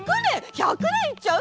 １００ねんいっちゃう！？